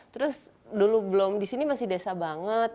terus dulu belum di sini masih desa banget